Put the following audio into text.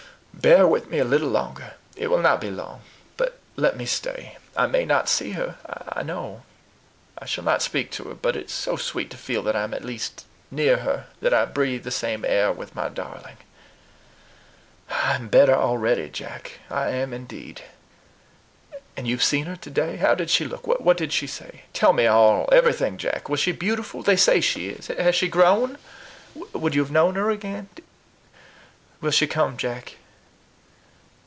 Bear with me a little longer (it will not be long), but let me stay. I may not see her, I know; I shall not speak to her: but it's so sweet to feel that I am at last near her, that I breathe the same air with my darling. I am better already, Jack, I am indeed. And you have seen her today? How did she look? What did she say? Tell me all, everything, Jack. Was she beautiful? They say she is. Has she grown? Would you have known her again? Will she come, Jack?